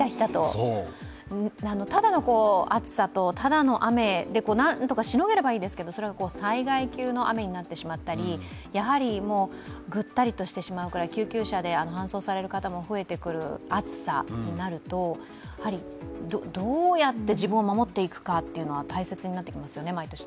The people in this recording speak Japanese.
ただの暑さとただの雨で何とかしのげればいいですけどそれが災害級の雨になってしまったり、ぐったりとしてしまうくらい、救急車で搬送される方が出てくるくらい暑くなってしまうと、やはり、どうやって自分を守っていくかが大切になりますよね。